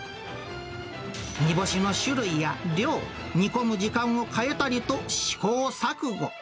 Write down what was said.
煮干しの種類や量、煮込む時間を変えたりと、試行錯誤。